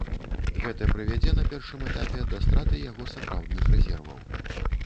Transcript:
Гэта прывядзе на першым этапе да страты яго сапраўдных рэзерваў.